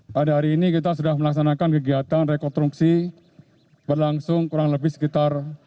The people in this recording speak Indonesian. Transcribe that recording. pada hari ini kita sudah melaksanakan kegiatan rekonstruksi berlangsung kurang lebih sekitar